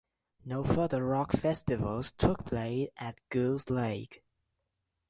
No further rock festivals took place at Goose Lake.